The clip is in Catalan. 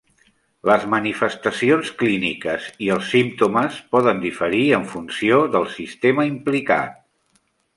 Les manifestacions clíniques i els símptomes poden diferir en funció del sistema implicat.